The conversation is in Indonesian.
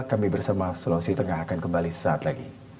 kami bersama sulawesi tengah akan kembali saat lagi